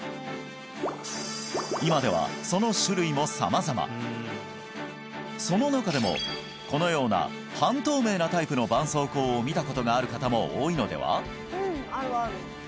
今ではその種類も様々その中でもこのような半透明なタイプの絆創膏を見たことがある方も多いのでは？